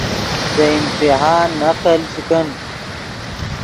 دے امتحان نقل چے کن